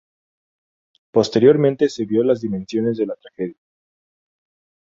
Posteriormente se vio las dimensiones de la tragedia.